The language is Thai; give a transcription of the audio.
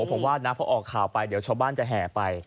ผมว่านะพอออกข่าวไปเดี๋ยวชาวบ้านจะแห่ไป